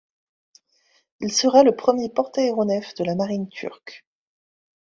Il sera le premier porte-aéronefs de la marine turque.